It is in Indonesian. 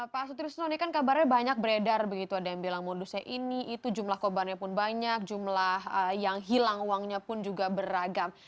pak sutrisno ini kan kabarnya banyak beredar begitu ada yang bilang modusnya ini itu jumlah korbannya pun banyak jumlah yang hilang uangnya pun juga beragam